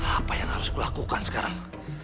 apa yang harus kulakukan sekarang